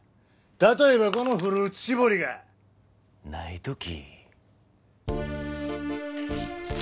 例えばこのフルーツ絞りがない時。